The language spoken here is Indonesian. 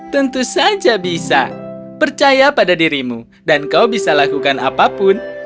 tentu saja bisa percaya pada dirimu dan kau bisa lakukan apapun